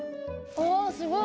おすごい！